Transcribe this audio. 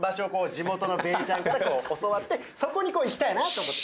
地元のべーちゃんから教わってそこに行きたいなと思って。